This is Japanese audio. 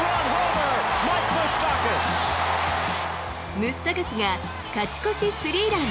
ムスタカスが勝ち越しスリーラン。